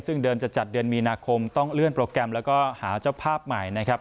ซึ่งเดิมจะจัดเดือนมีนาคมต้องเลื่อนโปรแกรมแล้วก็หาเจ้าภาพใหม่นะครับ